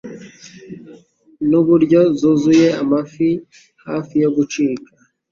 n'uburyo zuzuye amafi hafi yo gucika.